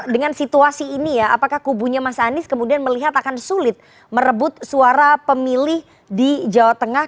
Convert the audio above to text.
dengan situasi ini ya apakah kubunya mas anies kemudian melihat akan sulit merebut suara pemilih di jawa tengah